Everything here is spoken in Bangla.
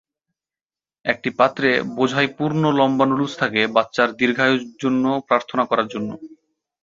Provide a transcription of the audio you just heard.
একটি পাত্রে বোঝাই পূর্ণ লম্বা নুডলস থাকে বাচ্চার দীর্ঘায়ু জন্য প্রার্থনা করার জন্য।